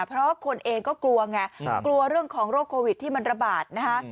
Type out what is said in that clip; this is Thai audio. เพราะคนเองก็กลัวไงกลัวเรื่องของโรคโควิดที่มันระบาดนะคะ